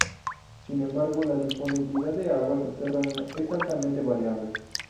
Sin embargo, la disponibilidad de agua subterránea es altamente variable.